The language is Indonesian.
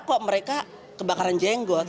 kok mereka kebakaran jenggot